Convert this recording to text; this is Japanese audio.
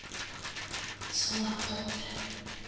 そんなことって。